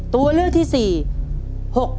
ตัวเลิกที่สี่๖ชมฆม